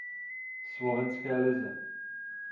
Slovenské lize.